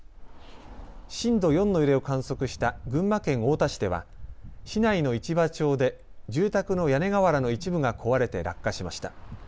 震度４の揺れを観測した群馬県太田市では市内の市場町で住宅の屋根瓦の一部が壊れて落下しました。